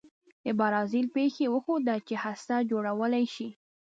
د برازیل پېښې وښوده چې هسته جوړولای شي.